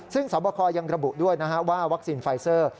ซึ่งสอบคอยังระบุด้วยว่าวัคซีนไฟเซอร์